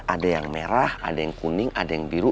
ada yang merah ada yang kuning ada yang biru